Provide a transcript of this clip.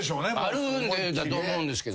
あるんだと思うんですけど。